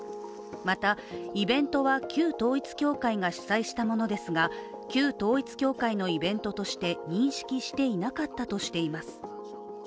また、イベントは旧統一教会が主催したものですが旧統一教会のイベントとして認識していなかったとしています。